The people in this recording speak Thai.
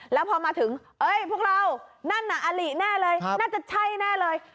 แล้วพอมาถึงพวกเรานั่นน่ะอลิแน่เลยน่าจะใช่แน่เลย